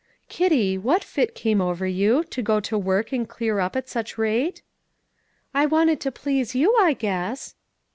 "Kitty, what fit came over you, to go to work and clear up at such rate?" "I wanted to please you, I guess."